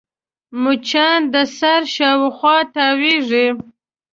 مچان د سر شاوخوا تاوېږي